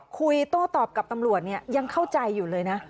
คุยโตรอดกับตำรวจยังเข้าใจอยู่เลยนะ